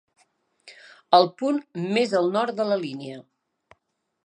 El punt més al nord de la línia.